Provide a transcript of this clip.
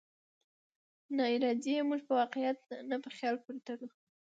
ناارادي يې موږ په واقعيت نه، په خيال پورې تړو.